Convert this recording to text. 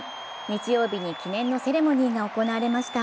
日曜日に記念のセレモニーが行われました。